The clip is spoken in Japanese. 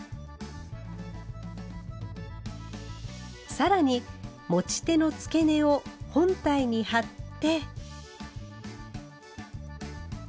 更に持ち手の付け根を本体に貼って。